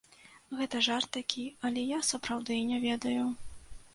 Гэта жарт такі, але я, сапраўды, не ведаю.